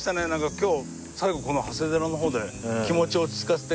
今日最後この長谷寺の方で気持ちを落ち着かせていい感じですね